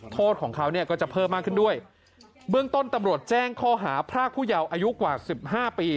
โทษของเขาเนี่ยก็จะเพิ่มมากขึ้นด้วยเบื้องต้นตำรวจแจ้งข้อหาพรากผู้เยาว์อายุกว่าสิบห้าปี